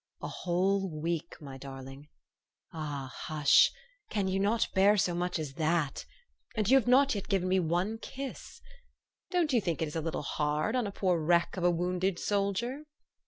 '' A whole week, my darling. Ah, hush ! Can you not bear so much as that? And you have not THE STORY OF AVIS. 205 yet given me one kiss. Don't you think it is a little hard on a poor wreck of a wounded soldier?